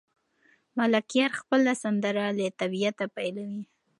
ملکیار خپله سندره له طبیعته پیلوي.